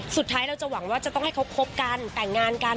สุดท้ายเราจะหวังว่าจะต้องให้เขาคบกันแต่งงานกัน